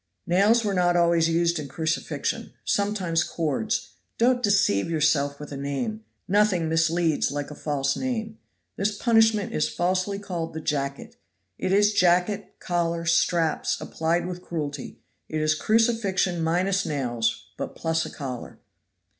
"Nails were not always used in crucifixion; sometimes cords. Don't deceive yourself with a name; nothing misleads like a false name. This punishment is falsely called the jacket it is jacket, collar, straps, applied with cruelty. It is crucifixion minus nails but plus a collar."